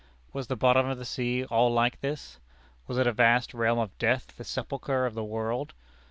Was the bottom of the sea all like this? Was it a vast realm of death, the sepulchre of the world?